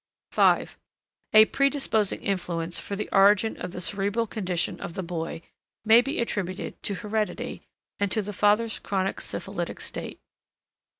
5. A predisposing influence for the origin of the cerebral condition of the boy may be attributed to heredity and to the father's chronic syphilitic state.